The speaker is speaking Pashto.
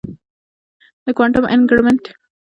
د کوانټم انټنګلمنټ ذرات سره تړلي ساتي.